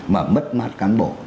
mà mất mát cán bộ